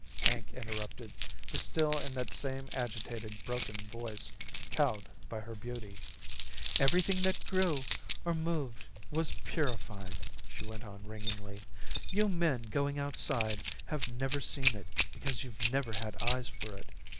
Hank interrupted, but still in that same agitated, broken voice, cowed by her beauty. "Everything that grew or moved was purified," she went on ringingly. "You men going outside have never seen it, because you've never had eyes for it.